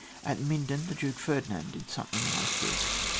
(At Minden, the Duke Ferdinand did something like this.)